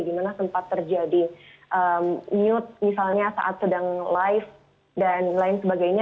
di mana sempat terjadi mute misalnya saat sedang live dan lain sebagainya